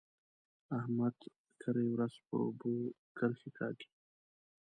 احمد کرۍ ورځ پر اوبو کرښې کاږي.